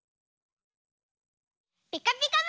「ピカピカブ！」